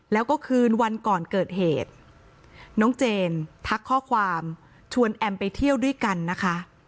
แล้วก็คืนวันก่อนเกิดเหตุน้องเจนทักข้อความชวนแอมไปเที่ยวด้วยกันนะคะ